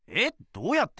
どうやって？